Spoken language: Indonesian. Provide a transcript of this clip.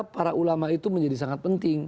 para ulama itu menjadi sangat penting